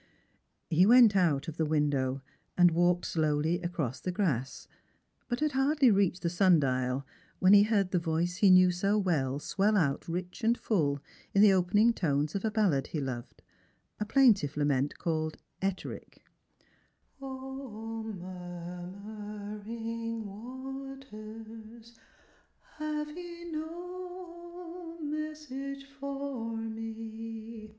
He went out of the window, and walked slowly across the grass, but had hardly reached the sun dial, when he heard the voice he knew so well swell out rich and full in the opening tones of a ballad he loved, a plaintive lament called " Ettrick." " 0, murmuring waters, have you no message for me?"